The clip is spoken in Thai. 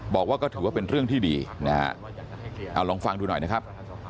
บอกว่าก็ถือว่าเป็นเรื่องที่ดีนะฮะเอาลองฟังดูหน่อยนะครับ